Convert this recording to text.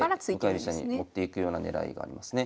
向かい飛車に持っていくような狙いがありますね。